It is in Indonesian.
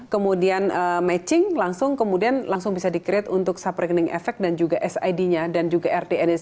kemudian matching langsung kemudian langsung bisa di create untuk sub rekening efek dan juga sid nya dan juga rdn nya